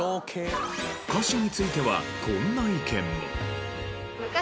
歌詞についてはこんな意見も。